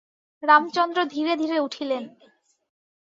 রামচন্দ্র ধীরে ধীরে উঠিলেন।